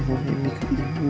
sampai ingin maaf aku ibu